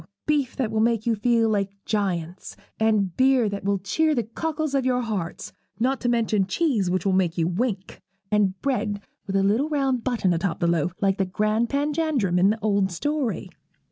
Beef that will make you feel like giants, and beer that will cheer the cockles of your hearts; not to mention cheese which will make you wink, and bread with a little round button atop of the loaf like the grand Panjandrum in the old story.'